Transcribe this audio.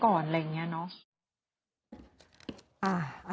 ก็คือแพ้สักก่อนอะไรอย่างนี้นะ